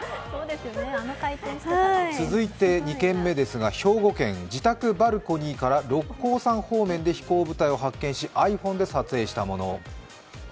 続いて２件目ですが兵庫県、自宅バルコニーから六甲山方面で飛行物体を発見し、ｉＰｈｏｎｅで撮影したもの。